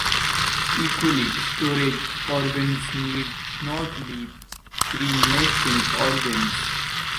Equally, storage organs need not be perennating organs.